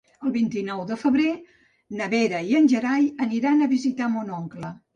El vint-i-nou de febrer na Vera i en Gerai aniran a visitar mon oncle.